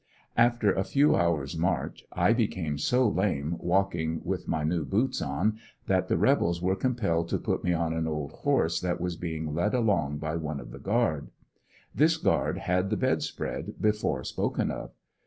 After a few hours march I became so lame walking with my new boots on that the rebels were compelled to put me on an old horse that was being lead along by one of the guard This guard had the bed spread before spoken of.